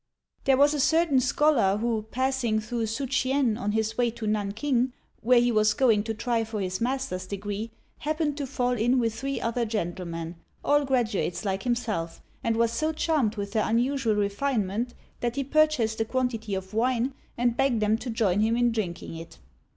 There was a certain scholar who, passing through Su ch'ien on his way to Nanking, where he was going to try for his master's degree, happened to fall in with three other gentlemen, all graduates like himself, and was so charmed with their unusual refinement that he purchased a quantity of wine, and begged them to join him in drinking it.